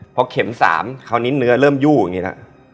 พอเข็ม๓คราวนี้เนื้อเริ่มยู่อย่างนี้แล้ว